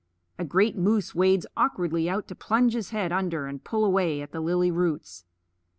A great moose wades awkwardly out to plunge his head under and pull away at the lily roots.